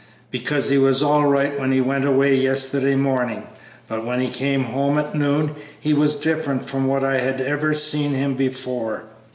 "Because he was all right when he went away yesterday morning, but when he came home at noon he was different from what I had ever seen him before.